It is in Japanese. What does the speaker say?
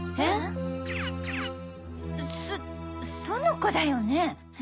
そ園子だよね？